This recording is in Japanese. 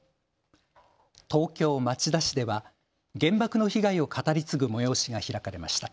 東京・町田市では原爆の被害を語り継ぐ催しが開かれました。